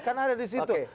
kan ada di situ